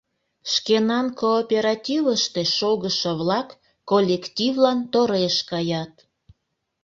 — Шкенан кооперативыште шогышо-влак коллективлан тореш каят...